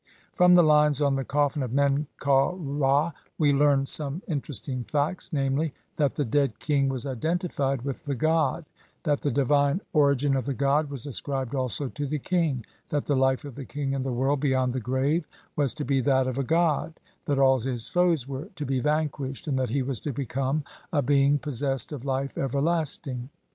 From the lines on the coffin of Men kau Ra we learn some interesting facts : namely, that the dead king was identified with the god, that the divine ori gin of the god was ascribed also to the king, that the life of the king in the world beyond , the grave was to be that of a god, that all his foes were to be vanquished, and that he was to become a being possessed of life everlasting.